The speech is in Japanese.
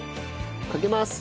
かけます！